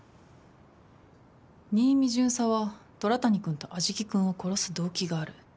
新見巡査は虎谷君と安食君を殺す動機がある。